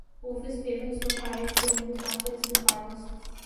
Both his parents were pious Roman Catholics and Carlists.